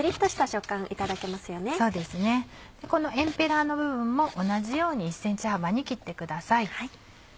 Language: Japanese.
そうですねこのエンペラの部分も同じように１ｃｍ幅に切ってください。